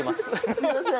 すいません！